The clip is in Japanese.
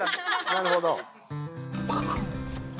なるほど。